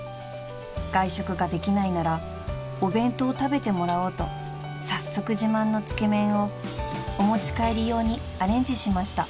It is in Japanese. ［外食ができないならお弁当を食べてもらおうと早速自慢のつけ麺をお持ち帰り用にアレンジしました］